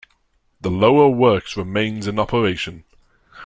The Lower works remains in operation.